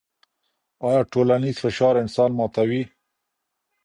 آيا ټولنيز فشار انسان ماتوي؟